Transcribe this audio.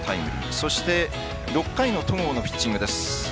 そして６回の戸郷のピッチングです。